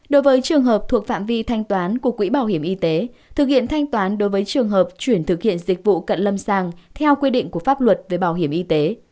đối với trường hợp thuộc phạm vi thanh toán của quỹ bảo hiểm y tế thực hiện thanh toán đối với trường hợp chuyển thực hiện dịch vụ cận lâm sàng theo quy định của pháp luật về bảo hiểm y tế